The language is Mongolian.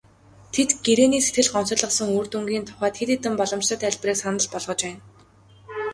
Тэд гэрээний сэтгэл гонсойлгосон үр дүнгийн тухайд хэд хэдэн боломжтой тайлбарыг санал болгож байна.